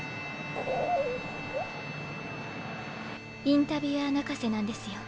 インタビュアー泣かせなんですよ。